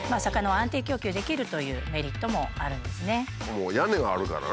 もう屋根があるからね。